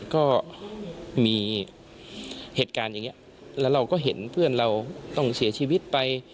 ก็มีเหตุการณ์อย่างนี้แล้วเราก็เห็นเพื่อนเราต้องเสียชีวิตไป